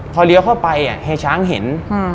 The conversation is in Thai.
พอเลี้ยวเข้าไปเฮียช้างเห็น